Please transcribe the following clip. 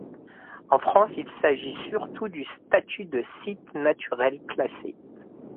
En France, il s'agit du statut de Site naturel classé.